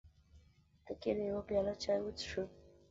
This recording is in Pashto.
ته کېنه یوه پیاله چای وڅښه.